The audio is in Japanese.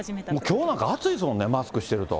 きょうなんか暑いですもんね、マスクしてると。